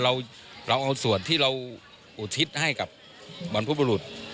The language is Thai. เราเอาส่วนที่เราอุทิศให้กับบรรพบุรุษ